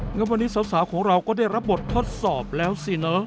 งั้นวันนี้สาวของเราก็ได้รับบททดสอบแล้วสิเนอะ